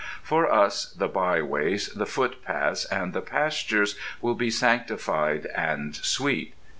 For us the byways, the footpaths, and the pastures will be sanctified and sweet.